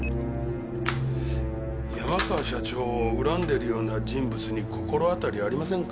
山川社長を恨んでいるような人物に心当たりありませんか？